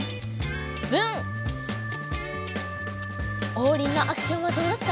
オウリンのアクションはどうだった？